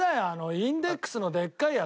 インデックスのでっかいやつ。